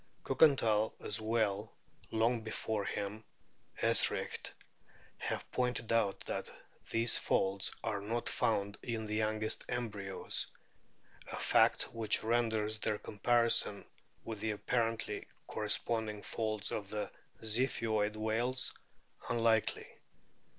Kukenthal, as well as long before him Eschricht, have pointed out that these folds are not found in the youngest embryos a fact which renders their comparison with the apparently corre sponding folds of the Ziphioid whales unlikely.